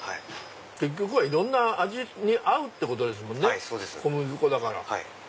結局はいろんな味に合うってこと小麦粉だから。